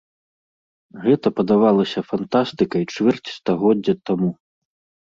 Гэта падавалася фантастыкай чвэрць стагоддзя таму.